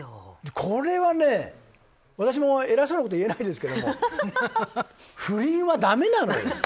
これは、私も偉そうなこと言えないですけど不倫はだめなのよ。